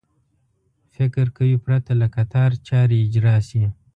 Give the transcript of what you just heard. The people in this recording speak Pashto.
فکر کوي پرته له کتار چارې اجرا شي.